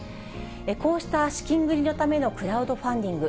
こうした資金繰りのためのクラウドファンディング。